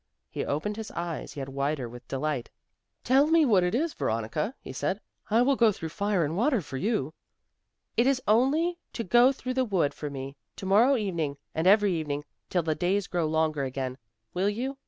He opened his eyes yet wider with delight. "Tell me what it is, Veronica," he said; "I will go through fire and water for you." "It is only to go through the wood for me, to morrow evening, and every evening till the days grow longer again. Will you?